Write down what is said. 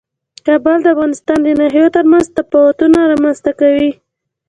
کابل د افغانستان د ناحیو ترمنځ تفاوتونه رامنځ ته کوي.